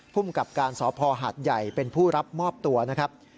ภูมิกับการสพหาดใหญ่เป็นผู้รับมอบตัวนะครับ